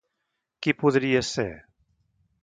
Qui podria ser?